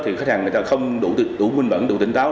thì khách hàng người ta không đủ minh mẫn đủ tỉnh táo